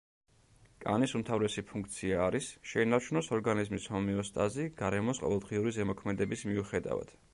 კანის უმთავრესი ფუნქცია არის შეინარჩუნოს ორგანიზმის ჰომეოსტაზი გარემოს ყოველდღიური ზემოქმედების მიუხედავად.